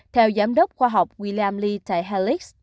theo giám đốc khoa học william lee